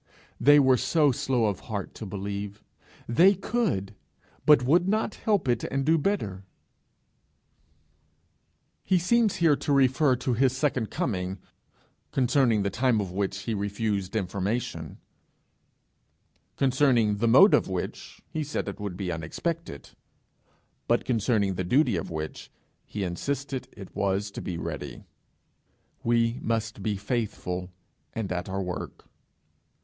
They were so slow of heart to believe! They could but would not help it and do better! He seems here to refer to his second coming concerning the time of which, he refused information; concerning the mode of which, he said it would be unexpected; but concerning the duty of which, he insisted it was to be ready: we must be faithful, and at our work.